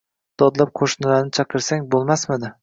Dodlab qo‘shnilarni chaqirsang bo‘lmasmidi?!